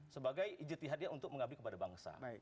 sebagai ijati hadiah untuk mengabdi kepada bangsa